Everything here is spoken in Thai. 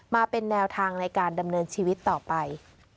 มาเป็นแนวทางในการดำเนินชีวิตต่อไป